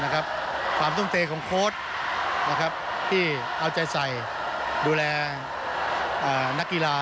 ความทุ่มเทของโค้ดที่เอาใจใส่ดูแลนักกีฬา